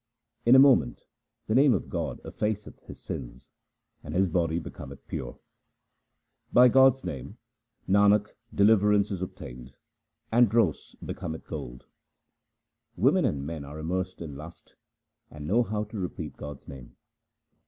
In a moment the name of God effaceth his sins, and his body becometh pure. By God's name, Nanak, deliverance is obtained, and dross becometh gold. Women and men are immersed in lust, and know not to repeat God's name.